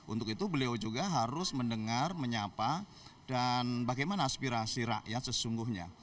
untuk itu beliau juga harus mendengar menyapa dan bagaimana aspirasi rakyat sesungguhnya